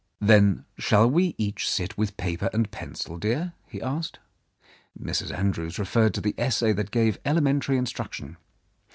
"Then shall we each sit with paper and pencil, dear? " he asked. Mrs. Andrews referred to the essay that gave elementary instruction.